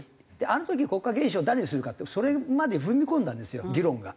あの時国家元首を誰にするかってそれまで踏み込んだんですよ議論が。